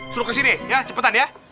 suruh kesini ya cepetan ya